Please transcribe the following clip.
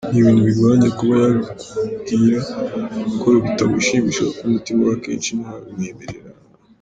Ni ibintu bigoranye kuba yabikubwira ko bitamushimisha kuko umutima we akenshi ntiwabimwemerera.